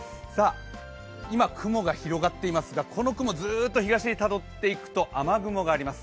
今、雲が広がっていますが、この雲、ずっと東にたどっていくと雨雲があります。